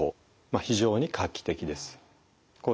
非常に画期的です。